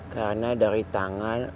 karena dari tangan